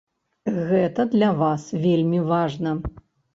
Гэта для вас вельмі важна.